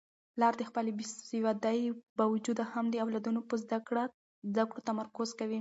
پلار د خپلې بې سوادۍ باوجود هم د اولادونو په زده کړو تمرکز کوي.